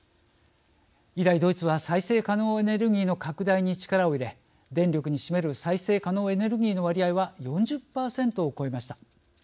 以来、ドイツは再生可能エネルギーの拡大に力を入れ、電力に占める再生可能エネルギーの割合は４０％を超えました。